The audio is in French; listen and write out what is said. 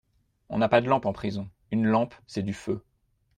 On n'a pas de lampe en prison ; une lampe c'est du feu.